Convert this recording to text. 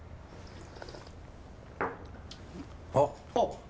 あっ。